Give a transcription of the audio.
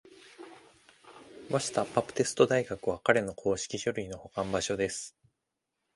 ワシタ・バプテスト大学は彼の公式書類の保管場所です。